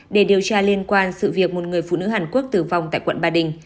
để điều tra liên quan sự việc một người phụ nữ hàn quốc tử vong tại quận ba đình